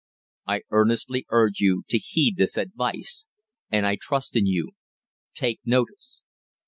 I earnestly urge you to heed this advice, and I trust in you. Take notice!